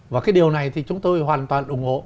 và cái điều này thì chúng tôi hoàn toàn ủng hộ